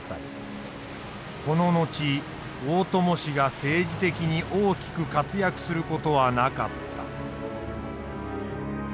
この後大伴氏が政治的に大きく活躍する事はなかった。